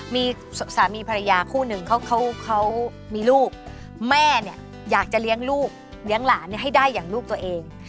มีสามีภรรยาคู่หนึ่งเขามีลูกแม่เนี่ยอยากจะเลี้ยงลูกเลี้ยงหลานให้ได้อย่างลูกตัวเอง